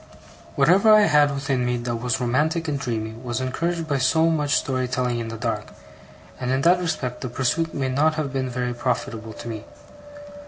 Whatever I had within me that was romantic and dreamy, was encouraged by so much story telling in the dark; and in that respect the pursuit may not have been very profitable to me.